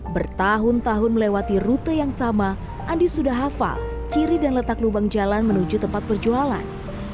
bertahun tahun melewati rute yang sama andi sudah hafal ciri dan letak lubang jalan menuju tempat perjualan